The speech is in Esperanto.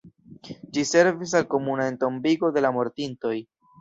Ĝi servis al komuna entombigo de la mortintoj.